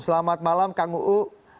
selamat malam kang uu